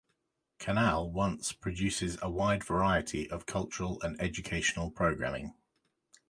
Canal Once produces a wide variety of cultural and educational programming.